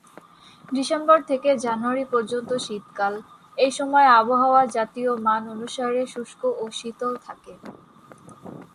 December থেকে January পর্যন্ত শীতকাল, এসময় আবহাওয়া জাতীয় মান অনুসারে শুষ্ক ও শীতল থাকে।